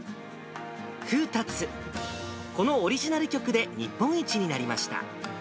風龍、このオリジナル曲で日本一になりました。